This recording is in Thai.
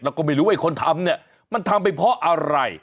แล้วก็ไม่รู้ว่าไอ้คนทำเนี่ยมันทำไปเพราะอะไร